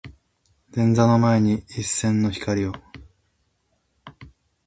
星屑の前に一閃の光を